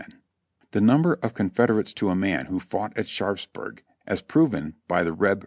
The number of Confederates to a man who fought at Sharps burg, as proven by the Reb.